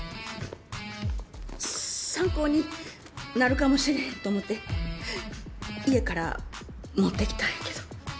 参考になるかもしれへんと思って家から持ってきたんやけど。